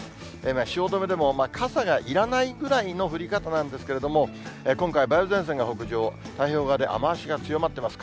今、汐留でも傘がいらないぐらいの降り方なんですけれども、今回、梅雨前線が北上、太平洋側で雨足が強まってます。